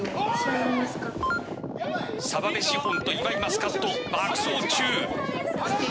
澤部シフォンと岩井マスカット爆走中。